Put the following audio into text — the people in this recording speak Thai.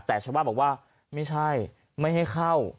แต่ชาวบ้านบอกว่าไม่ใช่ไม่ให้เข้า